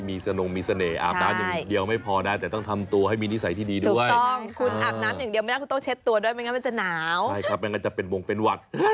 มีสนุกมีเสน่ห์อาบน้ำอย่างเดียวไม่พอได้แต่ต้องทำตัวให้มีนิสัยที่ดีด้วยคุณอาบน้ำอย่างเดียวไม่ได้ต้องเช็ดตัวด้วยไม่งั้นจะหนาว